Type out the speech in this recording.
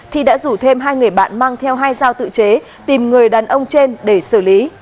thì đã rủ thêm hai người bạn mang theo hai dao tự chế tìm người đàn ông trên để xử lý